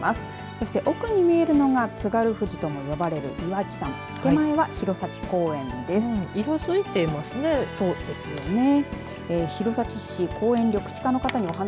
そして奥に見えるのがつがる富士とも呼ばれる岩木山手前は弘前公園です。